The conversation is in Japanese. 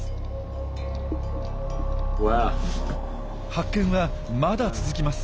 発見はまだ続きます。